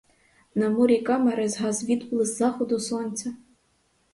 На мурі камери згас відблиск заходу сонця.